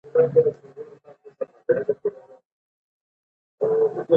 د پیغمبرانود رسالت موخي دي.